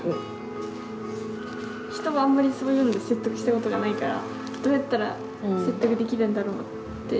人をあんまりそういうので説得したことがないからどうやったら説得できるんだろうって。